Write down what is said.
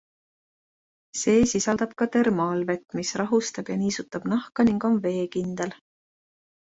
See sisaldab ka termaalvett, mis rahustab ja niisutab nahka ning on veekindel.